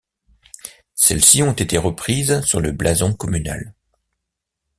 Celles-ci ont été reprises sur le blason communal.